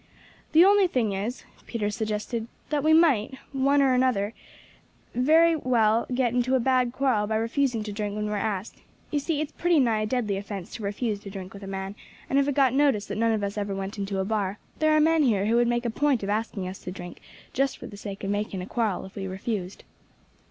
"The only thing is," Peter suggested, "that we might, one or other, very well get into a bad quarrel by refusing to drink when we are asked. You see it's pretty nigh a deadly offence to refuse to drink with a man; and if it got noticed that none of us ever went into a bar, there are men here who would make a point of asking us to drink just for the sake of making a quarrel if we refused."